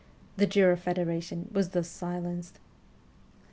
The Jura Federation was thus silenced.